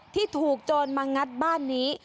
ที่ถูกโจรมางัดบ้านนี้